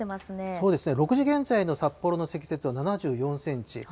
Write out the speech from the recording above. そうですね、６時現在の札幌の積雪は７４センチ。